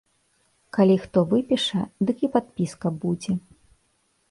Калі хто выпіша, дык і падпіска будзе.